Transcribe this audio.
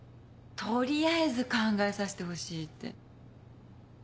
取りあえず考えさせてほしいって。